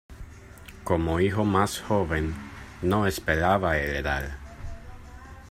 Como hijo más joven, no esperaba heredar.